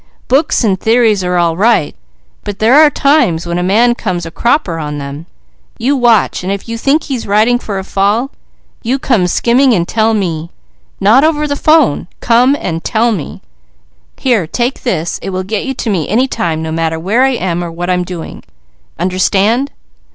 Books and theories are all right, but there are times when a man comes a cropper on them. You watch, and if you think he's riding for a fall, you come skinning and tell me, not over the 'phone, come and tell me. Here, take this, it will get you to me any time, no matter where I am or what I'm doing. Understand?"